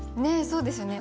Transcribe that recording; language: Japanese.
そうですよね。